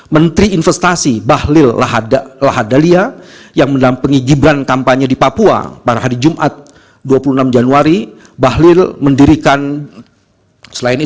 menteri investasi bahlil lahadalia yang dalam pengigibran kampanye di papua pada hari jumat dua puluh enam januari